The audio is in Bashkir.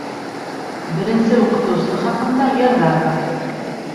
Беренсе уҡытыусы хаҡында йырҙар бар